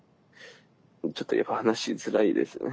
ちょっとやっぱ話しづらいですね。